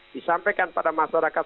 disampaikan pada masyarakat